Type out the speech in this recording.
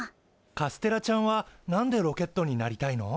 カステラちゃんは何でロケットになりたいの？